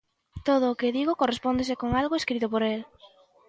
Todo o que digo correspóndese con algo escrito por el.